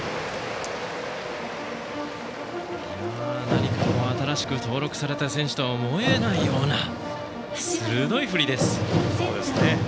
何か、新しく登録された選手とは思えないような鋭い振りです。